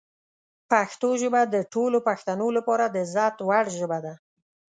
پښتو ژبه د ټولو پښتنو لپاره د عزت وړ ژبه ده.